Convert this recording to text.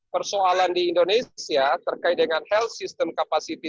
persoalan di indonesia terkait dengan health system capacity